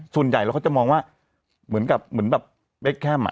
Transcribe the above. ส่วนใหญ่เราก็จะมองว่าเหมือนแบบเบสแฮมอะ